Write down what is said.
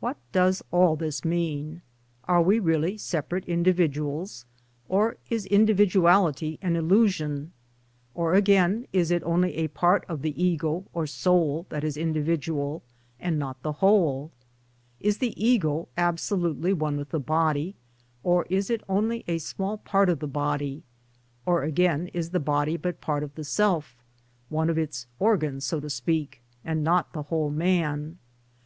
What does all this mean? Are we really separate individuals, or is individuality an illusion, or again is it only a part of the ego or soul that is individual, and not the whole ? Is the ego absolutely one with the body, or is it only a small part of the body, or again is the body but a part of the self — one of its organs so to speak, and not the whole man